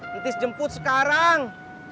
ditis jemput sekarang